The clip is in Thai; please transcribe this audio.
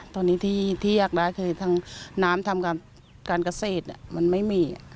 ตอนนี้ที่อยากได้คือทางน้ำทำการเกษตรมันไม่มี